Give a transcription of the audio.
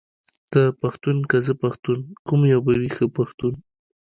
ته پښتون که زه پښتون ، کوم يو به وي ښه پښتون ،